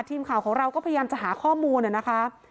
ทีมข่าวของเราก็พยายามจะหาข้อมูลนะคะ